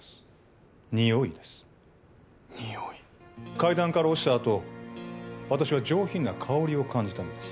階段から落ちたあと私は上品な香りを感じたんです。